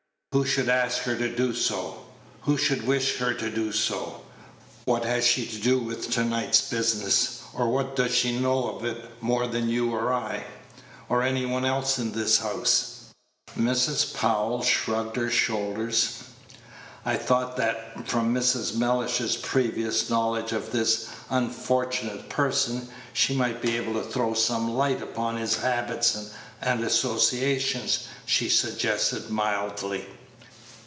Who should ask her to do so? Who should wish her to do so? What has she to do with to night's business? or what does she know of it more than you or I, or any one else in this house?" Mrs. Powell shrugged her shoulders. "I thought that, from Mrs. Mellish's previous knowledge of this unfortunate person, she might be able to throw some light upon his habits and associations," she suggested, mildly.